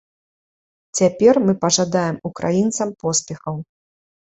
Цяпер мы пажадаем украінцам поспехаў.